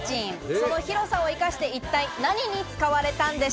その広さを生かして一体何に使われたんでしょうか？